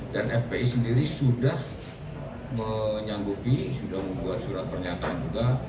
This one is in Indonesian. dan fpi sendiri sudah menyanggupi sudah membuat surat pernyataan juga